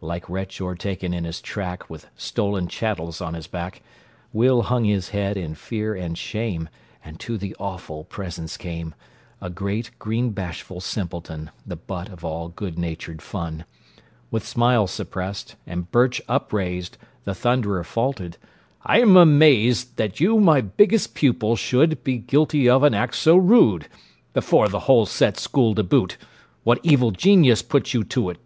Like wretch o'ertaken in his track, With stolen chattels on his back, Will hung his head in fear and shame, And to the awful presence came A great, green, bashful simpleton, The butt of all good natured fun. With smile suppressed, and birch upraised, The thunderer faltered "I'm amazed That you, my biggest pupil, should Be guilty of an act so rude! Before the whole set school to boot What evil genius put you to't?"